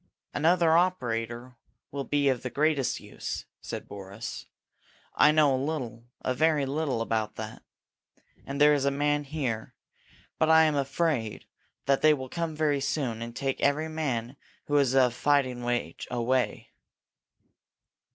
"Another operator will be of the greatest use," said Boris. "I know a little, a very little, about it. And there is a man here. But I am afraid that they will come very soon and take every man who is of fighting age away."